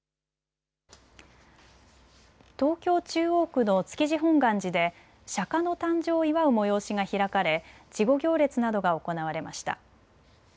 東京中央区の築地本願寺で釈迦の誕生を祝う催しが開かれ稚児行列などが行われました。